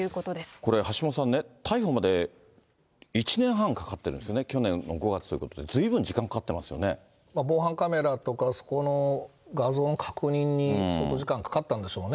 これ、橋下さんね、逮捕まで１年半かかってるんですね、去年の５月ということで、防犯カメラとか、そこの画像の確認に相当時間かかったんでしょうね。